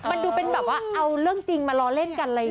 มันดูเป็นแบบว่าเอาเรื่องจริงมารอเล่นกันอะไรอย่างนี้